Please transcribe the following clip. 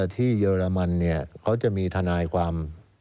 ที่เยอรมันเนี่ยเขาจะมีทนายความ